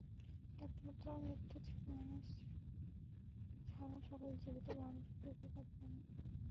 একমাত্র মৃত্যু মানুষ ছাড়া সকল জীবিত মানুষই কৃষিকাজ জানে।